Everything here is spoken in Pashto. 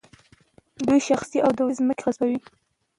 دوی شخصي او دولتي ځمکې غصبوي.